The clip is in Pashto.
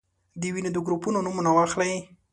د وینې د ګروپونو نومونه واخلئ.